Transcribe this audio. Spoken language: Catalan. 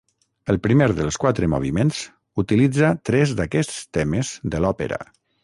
El primer dels quatre moviments utilitza tres d'aquests temes de l'òpera.